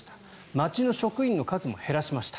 町の職員の数も減らしました。